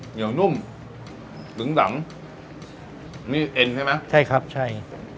เหนียวนุ่มบึงหลำนี่เอ็นใช่ไหมใช่ครับใช่